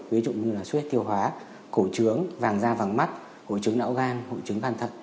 ví dụ như là suết tiêu hóa cổ trướng vàng da vàng mắt hội chứng não gan hội chứng bàn thật